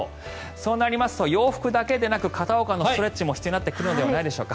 そうなりますと洋服だけでなく片岡のストレッチも必要になってくるのではないでしょうか。